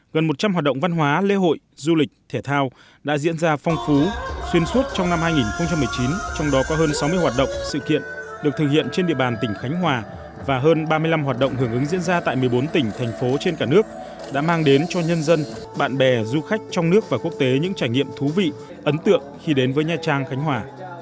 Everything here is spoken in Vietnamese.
gần một trăm linh hoạt động văn hóa lễ hội du lịch thể thao đã diễn ra phong phú xuyên suốt trong năm hai nghìn một mươi chín trong đó có hơn sáu mươi hoạt động sự kiện được thực hiện trên địa bàn tỉnh khánh hòa và hơn ba mươi năm hoạt động hưởng ứng diễn ra tại một mươi bốn tỉnh thành phố trên cả nước đã mang đến cho nhân dân bạn bè du khách trong nước và quốc tế những trải nghiệm thú vị ấn tượng khi đến với nha trang khánh hòa